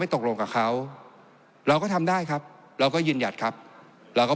ตกลงกับเขาเราก็ทำได้ครับเราก็ยืนหยัดครับเราก็